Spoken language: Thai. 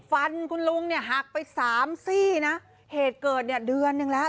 ฟันคุณลุงเนี่ยหักไปสามซี่นะเหตุเกิดเนี่ยเดือนหนึ่งแล้ว